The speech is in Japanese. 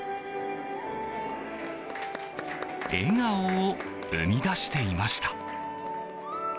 笑顔を生み出していました。